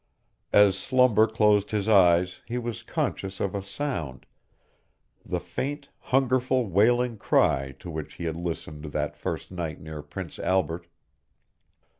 As slumber closed his eyes he was conscious of a sound the faint, hungerful, wailing cry to which he had listened that first night near Prince Albert.